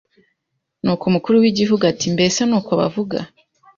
Nuko umukuru w'igihugu ati "mbese ni uko bavuga